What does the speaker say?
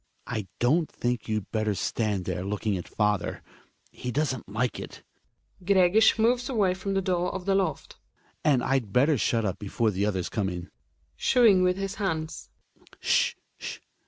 I don't think you'd better stand there looking at father; he doesn't like it. (Gregers moves away from the door of the loft.) And I'd better shut up before the others come in. {Shooing vHth his hands.) S'h ! s'h